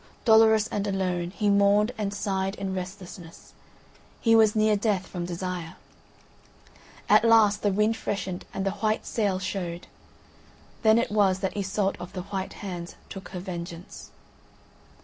Dolorous and alone, he mourned and sighed in restlessness: he was near death from desire. At last the wind freshened and the white sail showed. Then it was that Iseult of the White Hands took her vengeance.